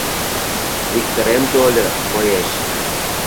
— Виктырем тольо, коеш.